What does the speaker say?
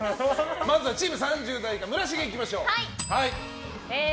まずはチーム３０代村重、いきましょう。